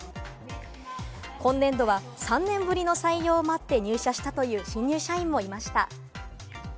今年度は３年ぶりの採用を待って、入社したという新入社員もいました。